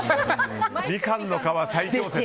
みかんの皮最強説。